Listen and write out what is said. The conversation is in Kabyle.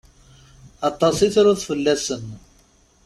Aṭas i truḍ fell-asen.